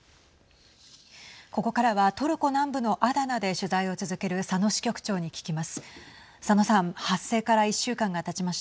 ここからはトルコ南部のアダナで取材を続ける佐野支局長に聞きます。